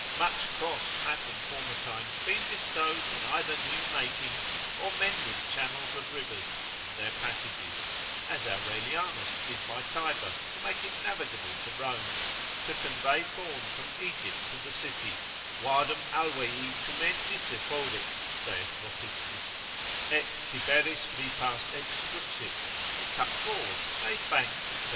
Much cost hath in former times been bestowed in either new making or mending channels of rivers, and their passages, (as Aurelianus did by Tiber to make it navigable to Rome, to convey corn from Egypt to the city, vadum alvei tumentis effodit saith Vopiscus, et Tiberis ripas extruxit he cut fords, made banks, &c.)